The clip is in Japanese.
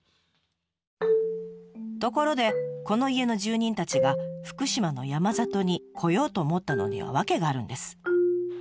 ところでこの家の住人たちが福島の山里に来ようと思ったのには訳があるんです。